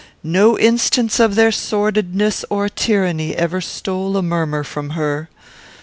No instance of their sordidness or tyranny ever stole a murmur from her.